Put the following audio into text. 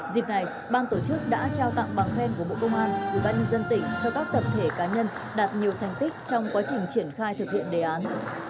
dịp này bang tổ chức đã trao tặng bằng khen của bộ công an và nhân dân tỉnh cho các tập thể cá nhân đạt nhiều thành tích trong quá trình triển khai thực hiện đề án